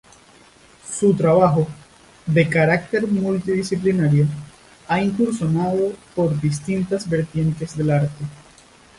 Su trabajo, de carácter multidisciplinario, ha incursionado por distintas vertientes del arte.